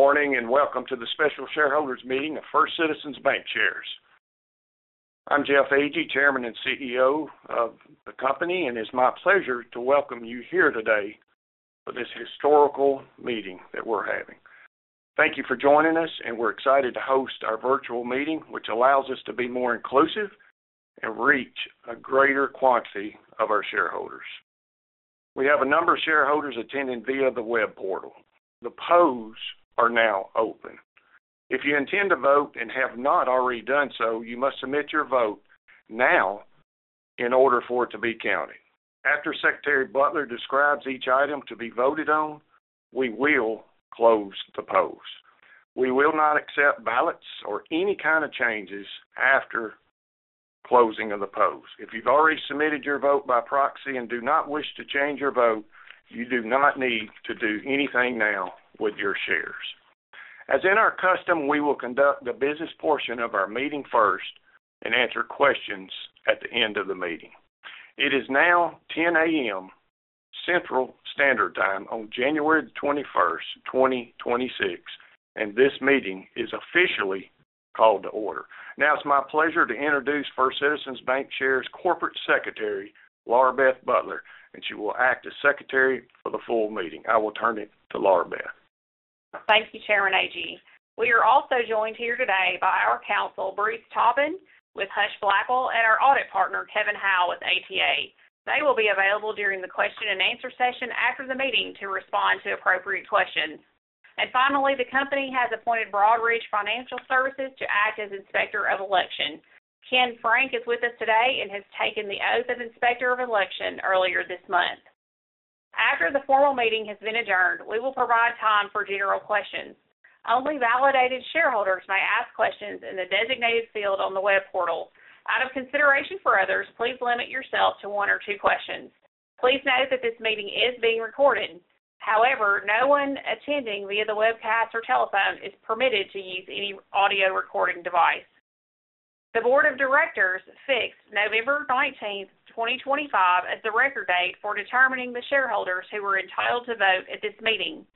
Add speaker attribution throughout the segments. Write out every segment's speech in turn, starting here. Speaker 1: Good morning and welcome to the special shareholders meeting of First Citizens BancShares. I'm Jeff Agee, Chairman and CEO of the company, and it's my pleasure to welcome you here today to this historical meeting that we're having. Thank you for joining us, and we're excited to host our virtual meeting, which allows us to be more inclusive and reach a greater quantity of our shareholders. We have a number of shareholders attending via the web portal. The polls are now open. If you intend to vote and have not already done so, you must submit your vote now in order for it to be counted. After Secretary Butler describes each item to be voted on, we will close the polls. We will not accept ballots or any kind of changes after closing of the polls. If you've already submitted your vote by proxy and do not wish to change your vote, you do not need to do anything now with your shares. As in our custom, we will conduct the business portion of our meeting first and answer questions at the end of the meeting. It is now 10:00 A.M. Central Standard Time on January the 21st, 2026, and this meeting is officially called to order. Now, it's my pleasure to introduce First Citizens BancShares Corporate Secretary, Laura Beth Butler, and she will act as Secretary for the full meeting. I will turn it to Laura Beth.
Speaker 2: Thank you, Chairman Agee. We are also joined here today by our Counsel, Bruce Tobin, with Husch Blackwell, and our Audit Partner, Kevin Howell, with ATA. They will be available during the question and answer session after the meeting to respond to appropriate questions. And finally, the company has appointed Broadridge Financial Solutions to act as Inspector of Election. Ken Frank is with us today and has taken the oath of Inspector of Election earlier this month. After the formal meeting has been adjourned, we will provide time for general questions. Only validated shareholders may ask questions in the designated field on the web portal. Out of consideration for others, please limit yourself to one or two questions. Please note that this meeting is being recorded. However, no one attending via the webcast or telephone is permitted to use any audio recording device. The Board of Directors fixed November 19th, 2025, as the record date for determining the shareholders who were entitled to vote at this meeting.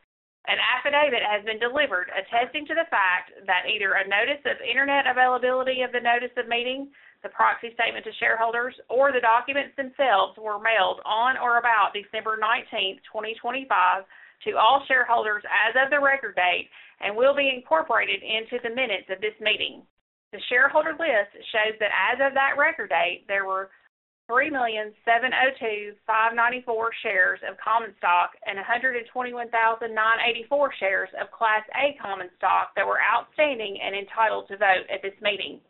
Speaker 2: An affidavit has been delivered attesting to the fact that either a notice of internet availability of the notice of meeting, the proxy statement to shareholders, or the documents themselves were mailed on or about December 19th, 2025, to all shareholders as of the record date and will be incorporated into the minutes of this meeting. The shareholder list shows that as of that record date, there were 3,702,594 shares of common stock and 121,984 shares of Class A common stock that were outstanding and entitled to vote at this meeting.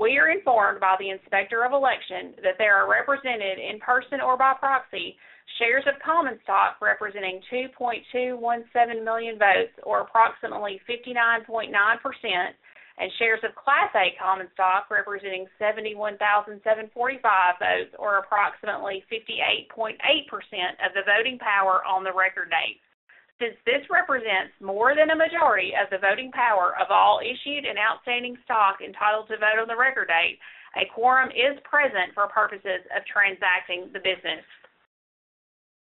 Speaker 2: We are informed by the Inspector of Election that there are represented in person or by proxy shares of common stock representing 2.217 million votes, or approximately 59.9%, and shares of Class A common stock representing 71,745 votes, or approximately 58.8% of the voting power on the record date. Since this represents more than a majority of the voting power of all issued and outstanding stock entitled to vote on the record date, a quorum is present for purposes of transacting the business.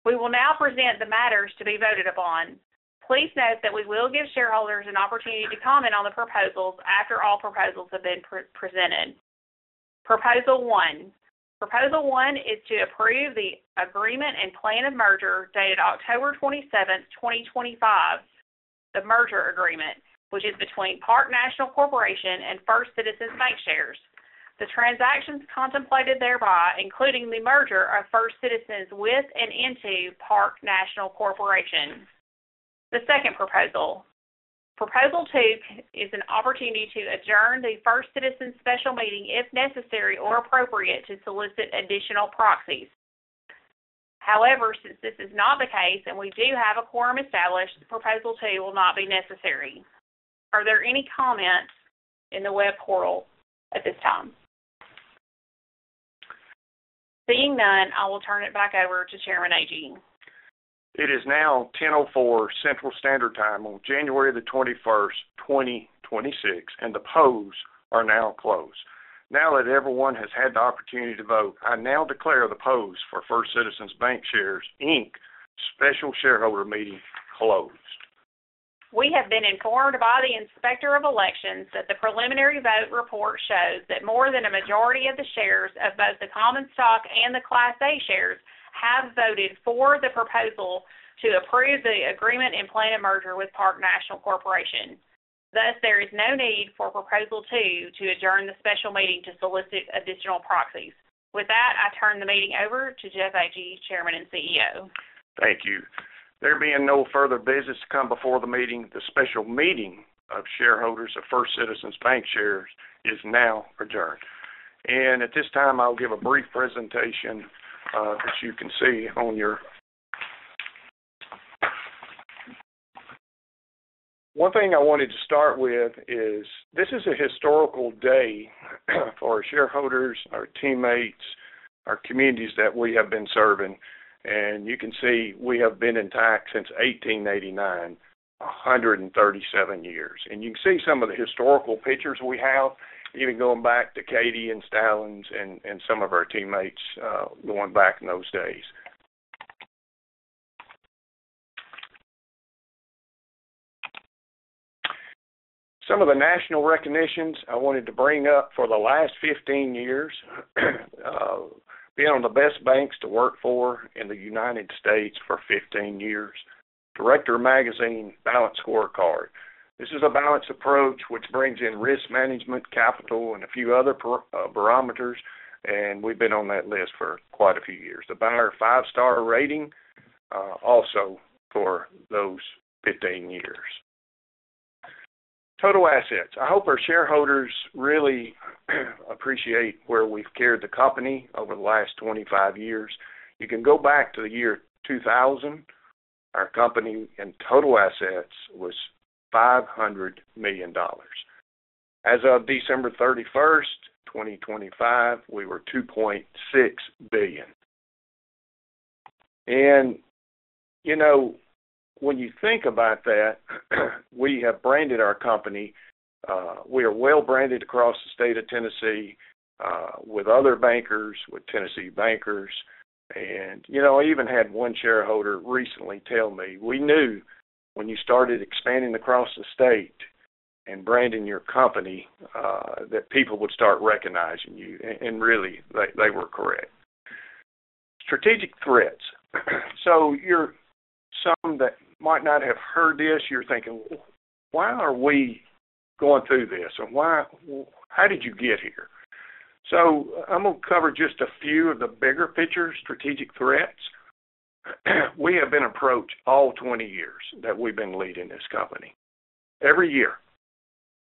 Speaker 2: We will now present the matters to be voted upon. Please note that we will give shareholders an opportunity to comment on the proposals after all proposals have been presented. Proposal One. Proposal One is to approve the agreement and plan of merger dated October 27th, 2025, the merger agreement, which is between Park National Corporation and First Citizens Bancshares. The transactions contemplated thereby include the merger of First Citizens with and into Park National Corporation. The second proposal, Proposal Two, is an opportunity to adjourn the First Citizens Special Meeting if necessary or appropriate to solicit additional proxies. However, since this is not the case and we do have a quorum established, Proposal Two will not be necessary. Are there any comments in the web portal at this time? Seeing none, I will turn it back over to Chairman Agee.
Speaker 1: It is now 10:04 A.M. Central Standard Time on January the 21st, 2026, and the polls are now closed. Now that everyone has had the opportunity to vote, I now declare the polls for First Citizens BancShares, Inc., Special Shareholder Meeting closed.
Speaker 2: We have been informed by the Inspector of Election that the preliminary vote report shows that more than a majority of the shares of both the common stock and the Class A shares have voted for the proposal to approve the agreement and plan of merger with Park National Corporation. Thus, there is no need for Proposal Two to adjourn the special meeting to solicit additional proxies. With that, I turn the meeting over to Jeff Agee, Chairman and CEO.
Speaker 1: Thank you. There being no further business to come before the meeting, the special meeting of shareholders of First Citizens BancShares is now adjourned. And at this time, I'll give a brief presentation that you can see on your. One thing I wanted to start with is this is a historical day for our shareholders, our teammates, our communities that we have been serving. And you can see we have been intact since 1889, 137 years. And you can see some of the historical pictures we have, even going back to Katie and Stallings and some of our teammates going back in those days. Some of the national recognitions I wanted to bring up for the last 15 years, being one of the best banks to work for in the United States for 15 years, Bank Director Balanced Scorecard. This is a balance approach which brings in risk management, capital, and a few other barometers, and we've been on that list for quite a few years. Bauer Five Star Rating also for those 15 years. Total Assets. I hope our shareholders really appreciate where we've carried the company over the last 25 years. You can go back to the year 2000, our company in total assets was $500 million. As of December 31st, 2025, we were $2.6 billion. And you know when you think about that, we have branded our company. We are well branded across the state of Tennessee with other bankers, with Tennessee Bankers. And you know I even had one shareholder recently tell me, "We knew when you started expanding across the state and branding your company that people would start recognizing you." And really, they were correct. Strategic Threats. So for some that might not have heard this, you're thinking, "Why are we going through this? And how did you get here?" So I'm going to cover just a few of the bigger picture strategic threats. We have been approached all 20 years that we've been leading this company. Every year,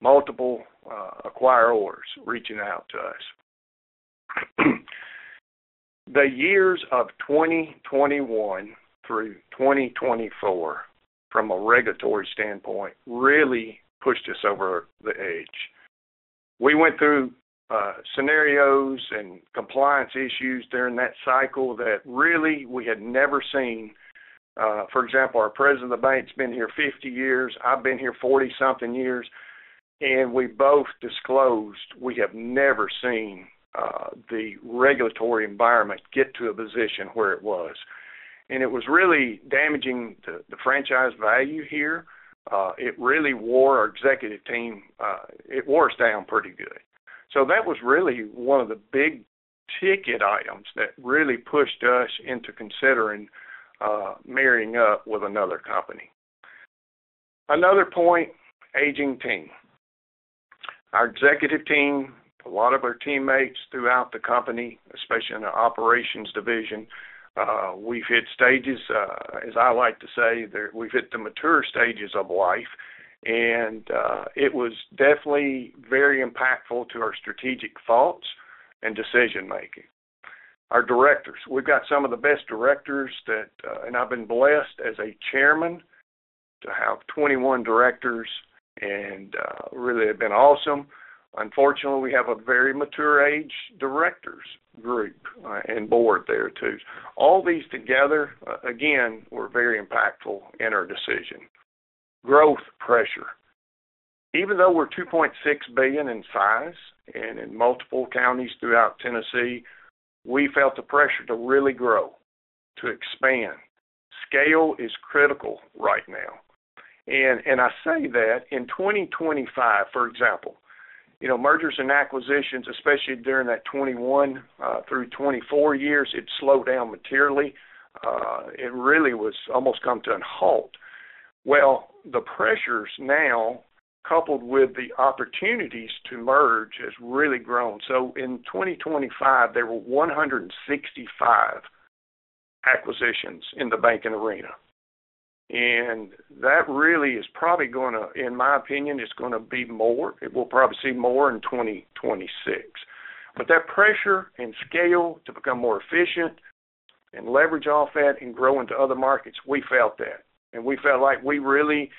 Speaker 1: multiple acquirers reaching out to us. The years of 2021 through 2024, from a regulatory standpoint, really pushed us over the edge. We went through scenarios and compliance issues during that cycle that really we had never seen. For example, our President of the Bank's been here 50 years. I've been here 40-something years. And we both disclosed we have never seen the regulatory environment get to a position where it was. And it was really damaging the franchise value here. It really wore our executive team. It wore us down pretty good. So that was really one of the big ticket items that really pushed us into considering marrying up with another company. Another point, aging team. Our executive team, a lot of our teammates throughout the company, especially in our operations division, we've hit stages, as I like to say, we've hit the mature stages of life. And it was definitely very impactful to our strategic thoughts and decision-making. Our directors. We've got some of the best directors, and I've been blessed as a chairman to have 21 directors, and really have been awesome. Unfortunately, we have a very mature-aged directors group and board there too. All these together, again, were very impactful in our decision. Growth pressure. Even though we're $2.6 billion in size and in multiple counties throughout Tennessee, we felt the pressure to really grow, to expand. Scale is critical right now. And I say that in 2025, for example, you know, mergers and acquisitions, especially during that 2021 through 2024 years, it slowed down materially. It really was almost come to a halt. Well, the pressures now, coupled with the opportunities to merge, has really grown. So in 2025, there were 165 acquisitions in the banking arena. And that really is probably going to, in my opinion, it's going to be more. We'll probably see more in 2026. But that pressure and scale to become more efficient and leverage off that and grow into other markets, we felt that. And we felt like we really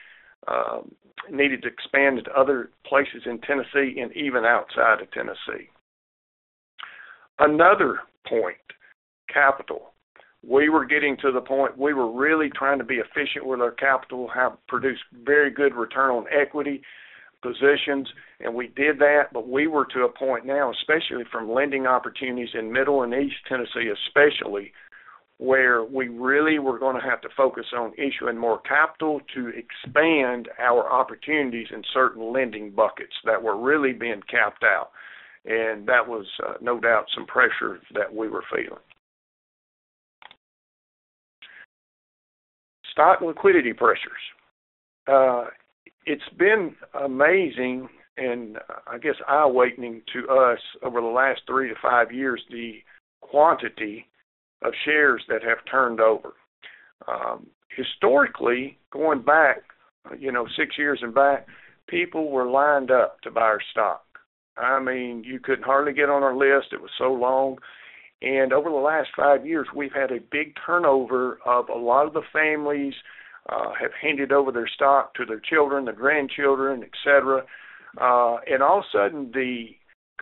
Speaker 1: needed to expand into other places in Tennessee and even outside of Tennessee. Another point, capital. We were getting to the point we were really trying to be efficient with our capital, have produced very good Return on Equity positions, and we did that. But we were to a point now, especially from lending opportunities in Middle and East Tennessee, especially where we really were going to have to focus on issuing more capital to expand our opportunities in certain lending buckets that were really being capped out. And that was, no doubt, some pressure that we were feeling. Stock liquidity pressures. It's been amazing and, I guess, eye-opening to us over the last three to five years, the quantity of shares that have turned over. Historically, going back, you know, six years back, people were lined up to buy our stock. I mean, you could hardly get on our list. It was so long. And over the last five years, we've had a big turnover of a lot of the families have handed over their stock to their children, their grandchildren, etc. And all of a sudden, the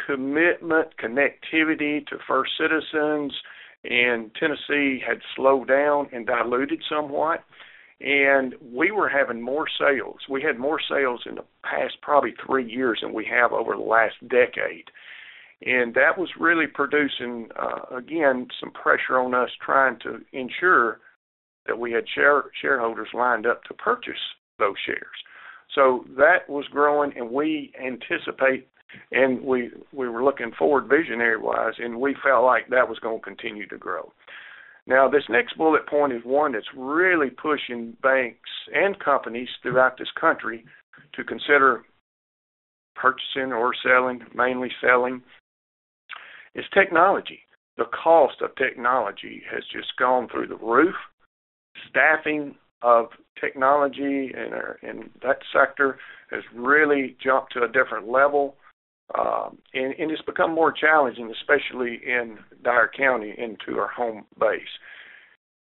Speaker 1: commitment, connectivity to First Citizens in Tennessee had slowed down and diluted somewhat. And we were having more sales. We had more sales in the past probably three years than we have over the last decade. And that was really producing, again, some pressure on us trying to ensure that we had shareholders lined up to purchase those shares. So that was growing, and we anticipate, and we were looking forward visionary-wise, and we felt like that was going to continue to grow. Now, this next bullet point is one that's really pushing banks and companies throughout this country to consider purchasing or selling, mainly selling, is technology. The cost of technology has just gone through the roof. Staffing of technology in that sector has really jumped to a different level. And it's become more challenging, especially in Dyer County into our home base.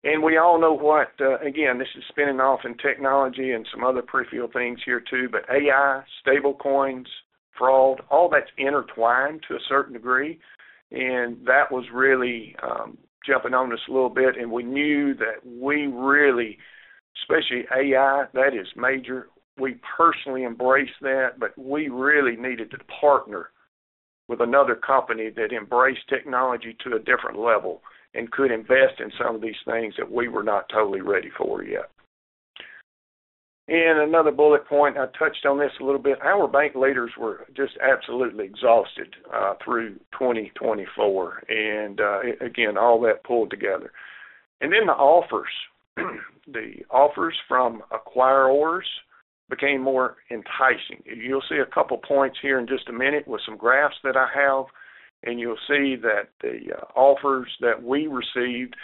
Speaker 1: And we all know what, again, this is spinning off in technology and some other peripheral things here too, but AI, stablecoins, fraud, all that's intertwined to a certain degree. And that was really jumping on us a little bit. And we knew that we really, especially AI, that is major. We personally embraced that, but we really needed to partner with another company that embraced technology to a different level and could invest in some of these things that we were not totally ready for yet. And another bullet point, I touched on this a little bit. Our bank leaders were just absolutely exhausted through 2024. And again, all that pulled together. And then the offers. The offers from acquirers became more enticing. You'll see a couple of points here in just a minute with some graphs that I have. You'll see that the offers that we received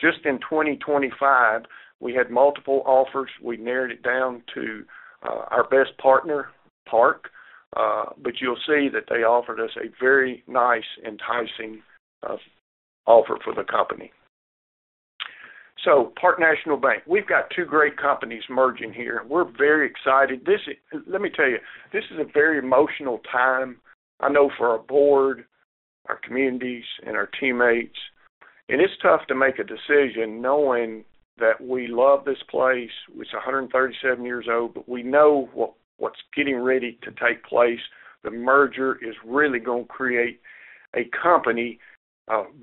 Speaker 1: just in 2025, we had multiple offers. We narrowed it down to our best partner, Park. You'll see that they offered us a very nice, enticing offer for the company. Park National Bank, we've got two great companies merging here. We're very excited. Let me tell you, this is a very emotional time, I know, for our board, our communities, and our teammates. It's tough to make a decision knowing that we love this place. It's 137 years old, but we know what's getting ready to take place. The merger is really going to create a company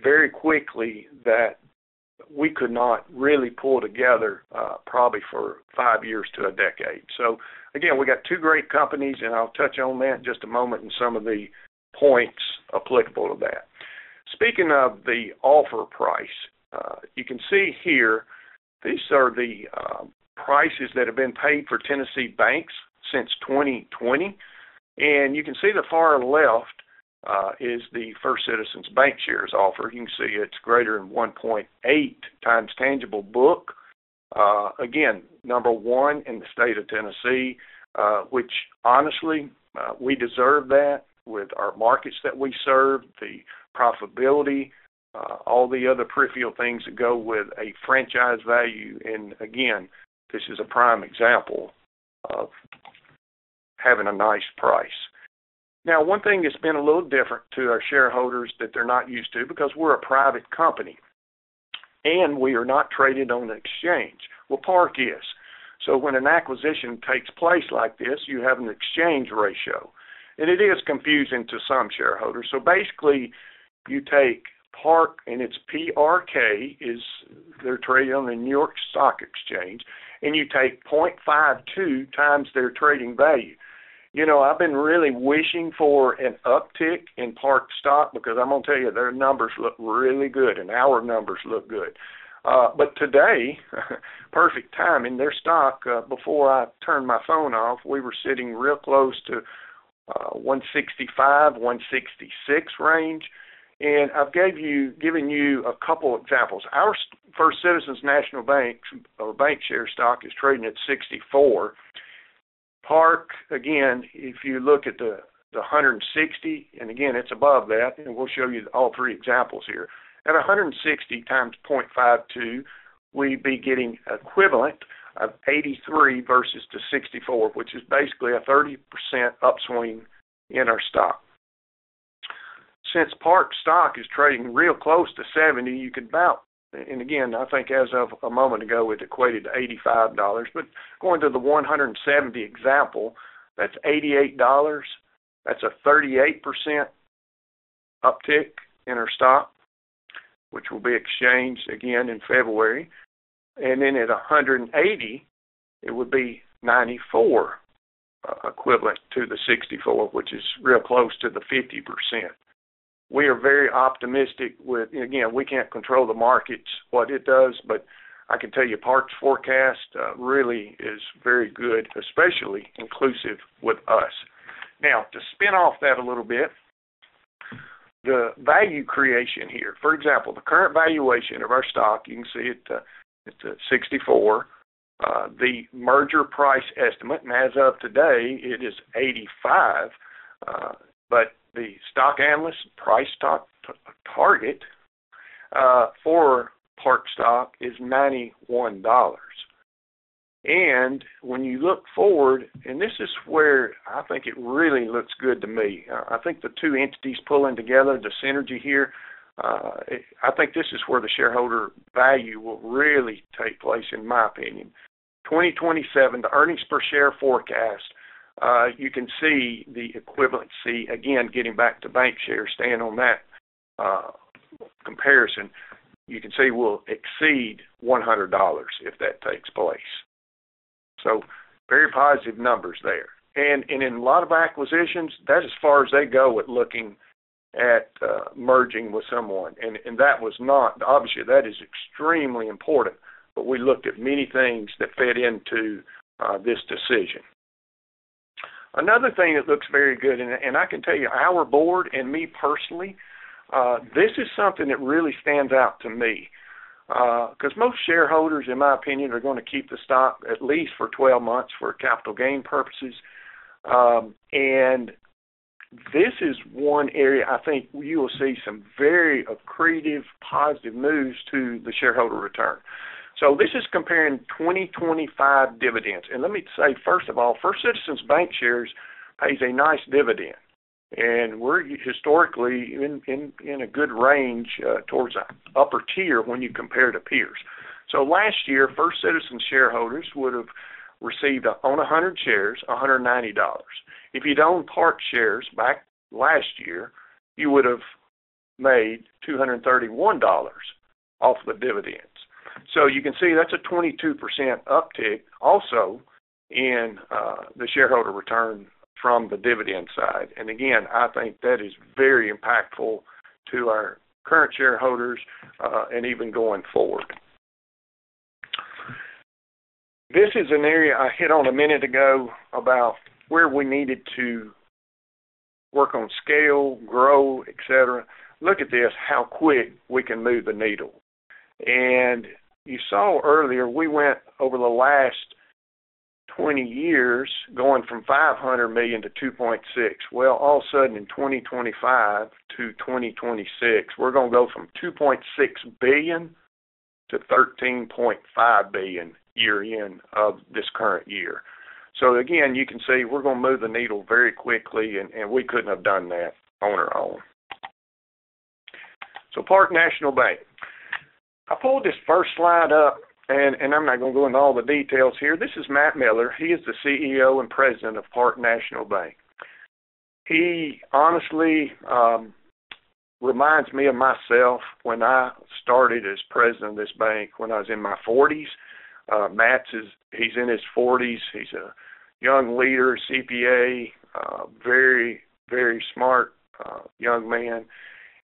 Speaker 1: very quickly that we could not really pull together probably for five years to a decade. Again, we got two great companies, and I'll touch on that in just a moment and some of the points applicable to that. Speaking of the offer price, you can see here, these are the prices that have been paid for Tennessee banks since 2020. And you can see the far left is the First Citizens Bank shares offer. You can see it's greater than 1.8x tangible book. Again, number one in the state of Tennessee, which honestly, we deserve that with our markets that we serve, the profitability, all the other peripheral things that go with a franchise value. And again, this is a prime example of having a nice price. Now, one thing that's been a little different to our shareholders that they're not used to because we're a private company and we are not traded on the exchange. Well, Park is. So when an acquisition takes place like this, you have an exchange ratio. And it is confusing to some shareholders. So basically, you take Park and its PRK, they're traded on the New York Stock Exchange, and you take 0.52 times their trading value. You know I've been really wishing for an uptick in Park's stock because I'm going to tell you, their numbers look really good and our numbers look good. But today, perfect timing, their stock before I turned my phone off, we were sitting real close to the $165-$166 range. And I've given you a couple of examples. Our First Citizens National Bank's BancShares stock is trading at $64. Park, again, if you look at the $160, and again, it's above that, and we'll show you all three examples here. At $160 times 0.52, we'd be getting equivalent of $83 versus the $64, which is basically a 30% upswing in our stock. Since Park's stock is trading real close to $70, you could bout. Again, I think as of a moment ago, it equated to $85. But going to the $170 example, that's $88. That's a 38% uptick in our stock, which will be exchanged again in February. And then at $180, it would be $94 equivalent to the $64, which is real close to the 50%. We are very optimistic with, again, we can't control the markets, what it does, but I can tell you Park's forecast really is very good, especially inclusive with us. Now, to spin off that a little bit, the value creation here, for example, the current valuation of our stock, you can see it's at $64. The merger price estimate, and as of today, it is $85. But the stock analyst price target for Park's stock is $91. And when you look forward, and this is where I think it really looks good to me. I think the two entities pulling together, the synergy here, I think this is where the shareholder value will really take place, in my opinion. 2027, the earnings per share forecast, you can see the equivalency, again, getting back to bank share, staying on that comparison, you can see will exceed $100 if that takes place. So very positive numbers there. And in a lot of acquisitions, that's as far as they go with looking at merging with someone. And that was not, obviously, that is extremely important, but we looked at many things that fit into this decision. Another thing that looks very good, and I can tell you, our board and me personally, this is something that really stands out to me. Because most shareholders, in my opinion, are going to keep the stock at least for 12 months for capital gain purposes. This is one area I think you will see some very accretive, positive moves to the shareholder return. This is comparing 2025 dividends. Let me say, first of all, First Citizens BancShares shares pays a nice dividend. We're historically in a good range towards an upper tier when you compare to peers. Last year, First Citizens shareholders would have received on 100 shares, $190. If you'd owned Park shares back last year, you would have made $231 off of the dividends. You can see that's a 22% uptick also in the shareholder return from the dividend side. Again, I think that is very impactful to our current shareholders and even going forward. This is an area I hit on a minute ago about where we needed to work on scale, grow, etc. Look at this, how quick we can move the needle. You saw earlier, we went over the last 20 years going from $500 million to $2.6 billion. Well, all of a sudden, in 2025 to 2026, we're going to go from $2.6 billion to $13.5 billion year-end of this current year. So again, you can see we're going to move the needle very quickly, and we couldn't have done that on our own. So Park National Bank. I pulled this first slide up, and I'm not going to go into all the details here. This is Matt Miller. He is the CEO and President of Park National Bank. He honestly reminds me of myself when I started as president of this bank when I was in my 40s. Matt, he's in his 40s. He's a young leader, CPA, very, very smart young man.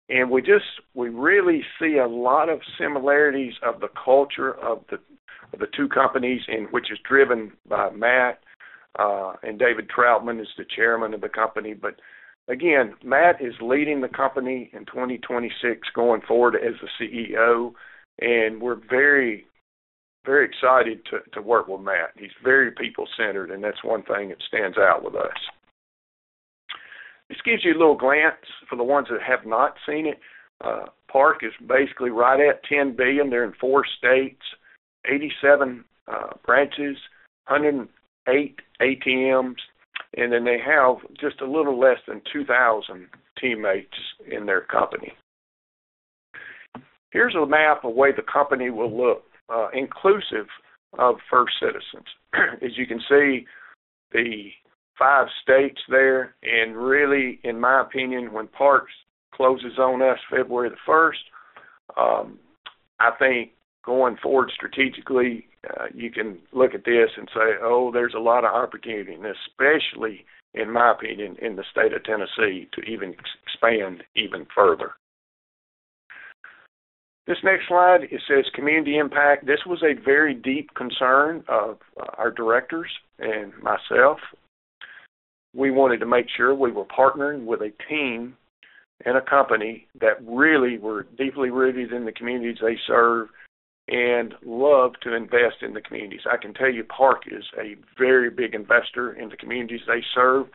Speaker 1: We really see a lot of similarities of the culture of the two companies, which is driven by Matt. David Trautman is the chairman of the company. But again, Matt is leading the company in 2026 going forward as the CEO. We're very, very excited to work with Matt. He's very people-centered, and that's one thing that stands out with us. This gives you a little glance for the ones that have not seen it. Park is basically right at $10 billion. They're in four states, 87 branches, 108 ATMs, and then they have just a little less than 2,000 teammates in their company. Here's a map of where the company will look inclusive of First Citizens. As you can see, the five states there. And really, in my opinion, when Park closes on us February the 1st, I think going forward strategically, you can look at this and say, "Oh, there's a lot of opportunity," and especially, in my opinion, in the state of Tennessee to even expand even further. This next slide, it says community impact. This was a very deep concern of our directors and myself. We wanted to make sure we were partnering with a team and a company that really were deeply rooted in the communities they serve and love to invest in the communities. I can tell you Park is a very big investor in the communities they serve.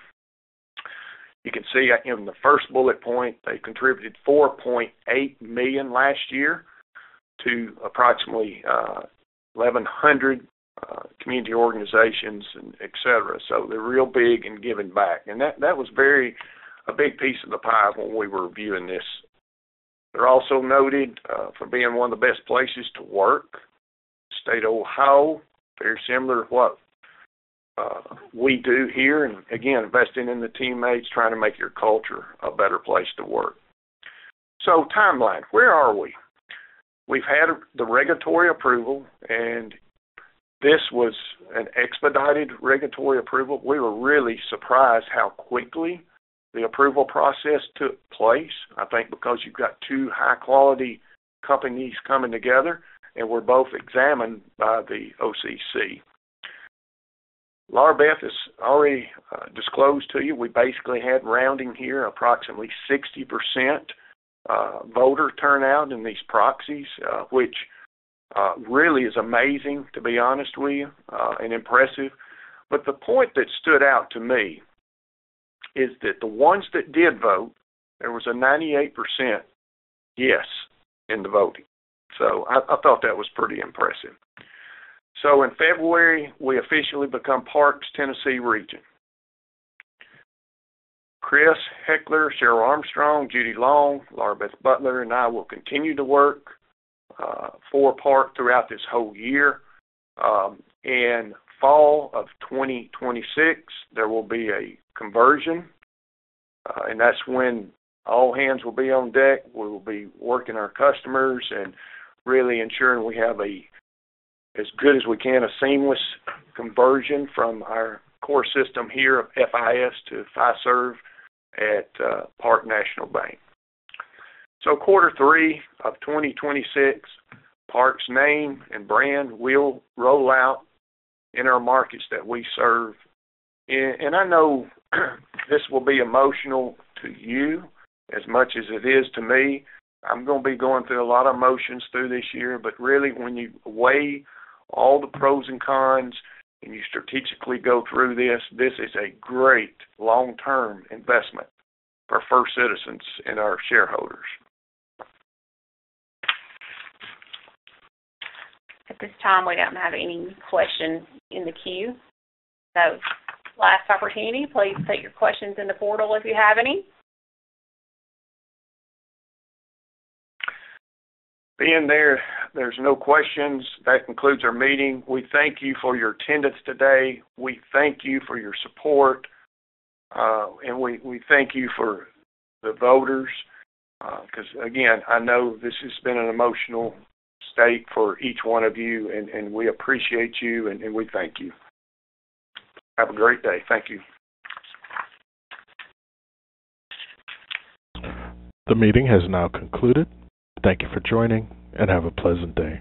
Speaker 1: You can see in the first bullet point, they contributed $4.8 million last year to approximately 1,100 community organizations, etc. So they're real big and giving back. And that was a big piece of the pie when we were reviewing this. They're also noted for being one of the best places to work, state of Ohio, very similar to what we do here. And again, investing in the teammates, trying to make your culture a better place to work. So timeline, where are we? We've had the regulatory approval, and this was an expedited regulatory approval. We were really surprised how quickly the approval process took place, I think because you've got two high-quality companies coming together, and we're both examined by the OCC. Laura Beth has already disclosed to you, we basically had rounding here, approximately 60% voter turnout in these proxies, which really is amazing, to be honest with you, and impressive. But the point that stood out to me is that the ones that did vote, there was a 98% yes in the voting. So I thought that was pretty impressive. So in February, we officially become Park's Tennessee region. Chris Hepler, Sheryl Armstrong, Judy Long, Laura Beth Butler, and I will continue to work for Park throughout this whole year. In fall of 2026, there will be a conversion, and that's when all hands will be on deck. We will be working with our customers and really ensuring we have as good as we can, a seamless conversion from our core system here of FIS to Fiserv at Park National Bank. So quarter three of 2026, Park's name and brand will roll out in our markets that we serve. And I know this will be emotional to you as much as it is to me. I'm going to be going through a lot of emotions through this year. But really, when you weigh all the pros and cons and you strategically go through this, this is a great long-term investment for First Citizens and our shareholders. At this time, we don't have any questions in the queue. So last opportunity, please put your questions in the portal if you have any. Being there, there's no questions. That concludes our meeting. We thank you for your attendance today. We thank you for your support. And we thank you for the voters. Because again, I know this has been an emotional stake for each one of you, and we appreciate you, and we thank you. Have a great day. Thank you.
Speaker 3: The meeting has now concluded. Thank you for joining, and have a pleasant day.